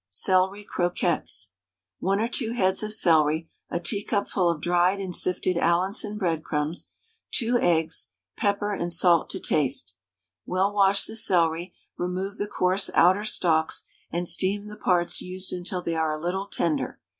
CELERY CROQUETTES. 1 or 2 heads of celery, a teacupful of dried and sifted Allinson breadcrumbs, 2 eggs, pepper and salt to taste. Well wash the celery, remove the coarse outer stalks, and steam the parts used until they are a little tender.